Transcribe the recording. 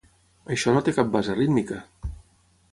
Això no té cap base rítmica!